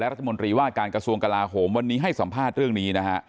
และราชมนตรีว่าการกระทรวงกลาโฮมวันนี้ให้สำหรับเรื่องอันนี้